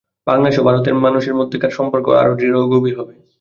বাংলাদেশ ও ভারতের মানুষের মধ্যেকার সম্পর্ক আরও দৃঢ় ও গভীর হবে।